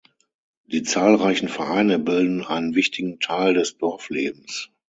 Die zahlreichen Vereine bilden einen wichtigen Teil des Dorflebens.